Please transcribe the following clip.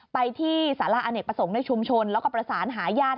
ไปที่สาระอเนกประสงค์ในชุมชนแล้วก็ประสานหาญาติ